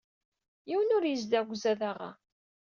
Yiwen ur yezdiɣ deg uzadaɣ-a.